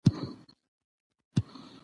د سرو میو به پیالې وې تشېدلې